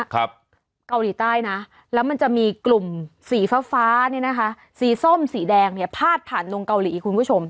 เกาหลีใต้นะแล้วมันจะมีกลุ่มสีฟ้าฟ้าเนี่ยนะคะสีส้มสีแดงเนี่ยพาดผ่านลงเกาหลีคุณผู้ชม